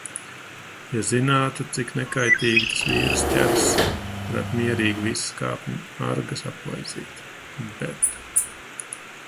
Ja zinātu, cik "nekaitīgi" tas vīruss ķers, varētu mierīgi visas kāpņu margas aplaizīt. Bet...